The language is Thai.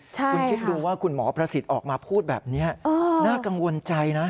คุณคิดดูว่าคุณหมอประสิทธิ์ออกมาพูดแบบนี้น่ากังวลใจนะ